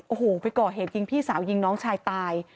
โอ้โหไปก่อเหตุยิงพี่สาวยิงน้องชายตาย